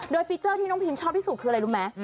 ฟีเจอร์ที่น้องพิมชอบที่สุดคืออะไรรู้ไหม